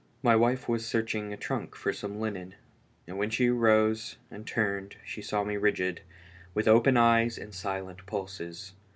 My wife was searching a trunk for some linen, and when she rose and turned she saw me rigid, with open eyes and silent pulses.